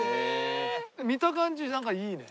見た感じなんかいいね。